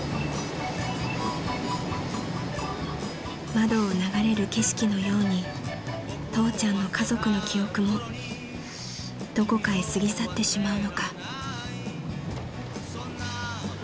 ［窓を流れる景色のように父ちゃんの家族の記憶もどこかへ過ぎ去ってしまうのか］